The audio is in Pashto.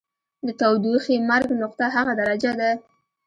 د تودوخې مرګ نقطه هغه درجه ده.